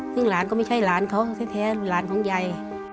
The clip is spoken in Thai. ซึ่งหลานก็ไม่ใช่หลานเขาแท้หลานของยาย